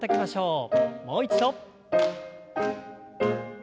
もう一度。